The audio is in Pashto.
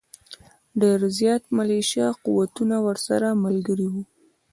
ډېر زیات ملېشه قوتونه ورسره ملګري وو.